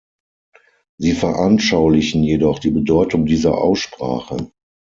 Sie veranschaulichen jedoch die Bedeutung dieser Aussprache.